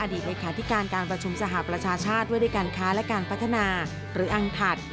เลขาธิการการประชุมสหประชาชาติว่าด้วยการค้าและการพัฒนาหรืออังถัด